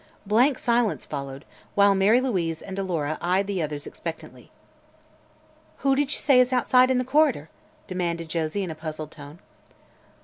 Blank silence followed, while Mary Louise and Alora eyed the others expectantly. "Who did you say is outside in the corridor?" demanded Josie in a puzzled tone.